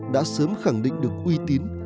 đã sớm khẳng định được uy tín